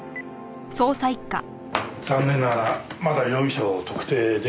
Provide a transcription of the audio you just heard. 残念ながらまだ容疑者を特定出来てません。